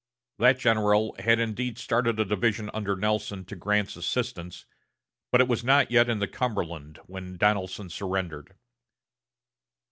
That general had indeed started a division under Nelson to Grant's assistance, but it was not yet in the Cumberland when Donelson surrendered.